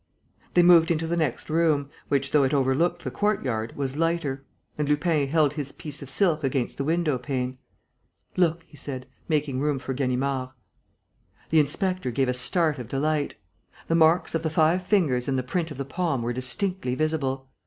They moved into the next room, which, though it overlooked the courtyard, was lighter; and Lupin held his piece of silk against the window pane: "Look," he said, making room for Ganimard. The inspector gave a start of delight. The marks of the five fingers and the print of the palm were distinctly visible.